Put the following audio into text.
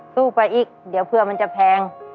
สู้ไปอีกเดี๋ยวเผื่อมันจะแพง